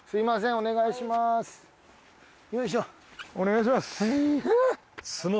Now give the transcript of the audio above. お願いします。